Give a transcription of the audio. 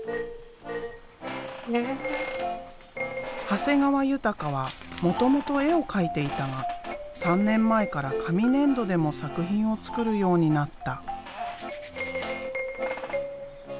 長谷川豊はもともと絵を描いていたが３年前から紙粘土でも作品をつくるようになった。